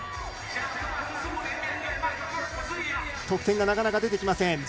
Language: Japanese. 得点がなかなか出てきません。